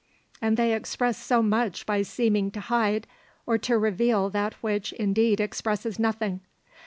And they express so much by seeming to hide or to reveal that which indeed expresses nothing.